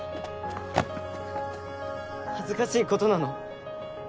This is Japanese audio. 恥ずかしいことなの？